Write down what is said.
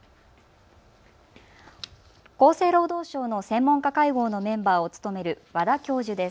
厚生労働省の専門家会合のメンバーを務める和田教授です。